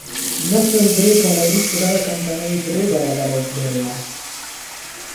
نصر درې کاله وروسته دغه کمپنۍ درې برابره وپلورله.